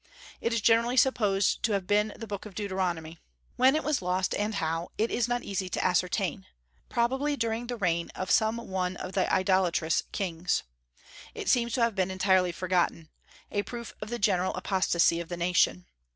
It is generally supposed to have been the Book of Deuteronomy. When it was lost, and how, it is not easy to ascertain, probably during the reign of some one of the idolatrous kings. It seems to have been entirely forgotten, a proof of the general apostasy of the nation.